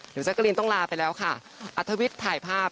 เดี๋ยวแจกรีนต้องลาไปแล้วค่ะอัธวิทย์ถ่ายภาพ